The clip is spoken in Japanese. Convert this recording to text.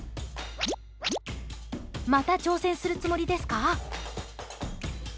また挑戦するつもりですか？